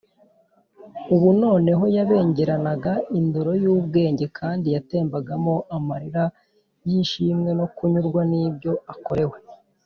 ubu noneho yabengeranaga indoro y’ubwenge kandi yatembagamo amarira y’ishimwe no kunyurwa n’ibyo akorewe